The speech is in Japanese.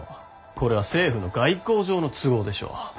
これは政府の外交上の都合でしょう。